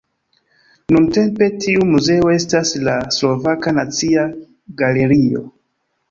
Nuntempe tiu muzeo estas la Slovaka Nacia Galerio.